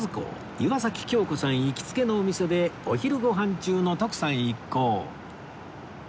岩崎恭子さん行きつけのお店でお昼ご飯中の徳さん一行